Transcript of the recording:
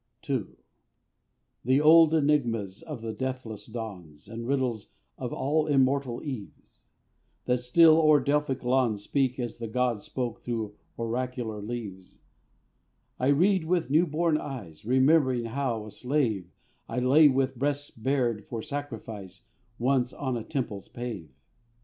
II. The old enigmas of the deathless dawns, And riddles of the all immortal eves, That still o'er Delphic lawns Speak as the gods spoke through oracular leaves I read with new born eyes, Remembering how, a slave, I lay with breast bared for the sacrifice, Once on a temple's pave.